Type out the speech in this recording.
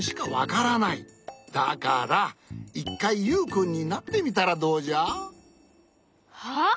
だから１かいユウくんになってみたらどうじゃ？は？